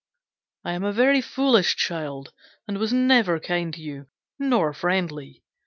'I am a very foolish child, and was never kind to you, nor friendly.